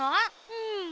うん。